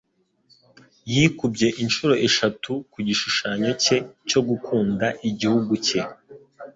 yikubye inshuro eshatu ku gishushanyo cye cyo gukunda igihugu cye